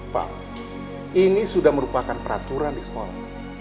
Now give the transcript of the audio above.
pak ini sudah merupakan peraturan di sekolah